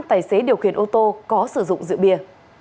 tài xế điều khiển ô tô có sử dụng rượu bia